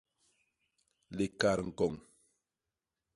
Likat ñkoñ.